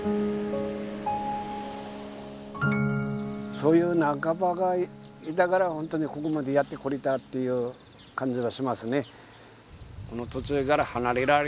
そういう仲間がいたからホントにここまでやってこれたっていう感じがしますね